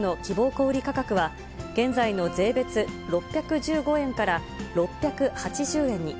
小売り価格は、現在の税別６１５円から、６８０円に。